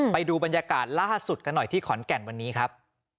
ไปดูบรรยากาศล่าสุดกันหน่อยที่ขอนแก่นวันนี้ครับ